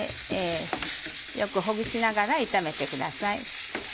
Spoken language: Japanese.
よくほぐしながら炒めてください。